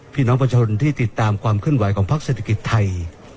พี่น้องประชาชนที่ติดตามความเคลื่อนไหวของพักเศรษฐกิจไทย